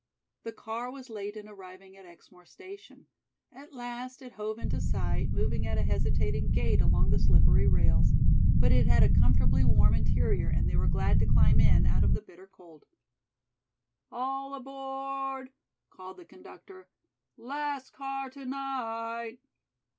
The car was late in arriving at Exmoor station. At last it hove into sight, moving at a hesitating gait along the slippery rails. But it had a comfortably warm interior and they were glad to climb in out of the bitter cold. "All aboard!" called the conductor. "Last car to night."